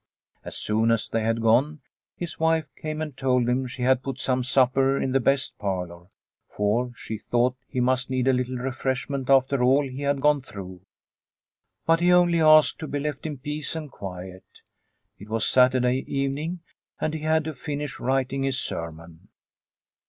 As soon as they had gone his wife came and told him she had put some supper in the best parlour, for she thought he must need a little refreshment after all he had gone through. But he only asked to be left in peace and quiet. It was Saturday evening, and he had to finish writing his sermon.